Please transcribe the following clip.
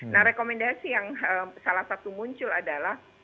nah rekomendasi yang salah satu muncul adalah